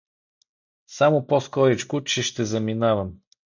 Само по-скоричко, че ще заминавам.